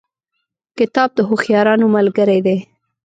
کتاب د هوښیارانو ملګری دی.